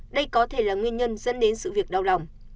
đây có thể là nguyên nhân dẫn đến sự việc đau lòng